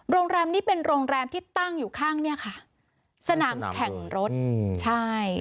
โรงแรมนี้เป็นโรงแรมที่ตั้งอยู่ข้างเนี่ยค่ะสนามแข่งรถอืมใช่